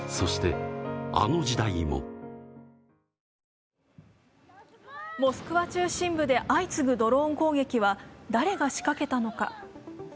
ニトリモスクワ中心部で相次ぐドローン攻撃は誰が仕掛けたのか。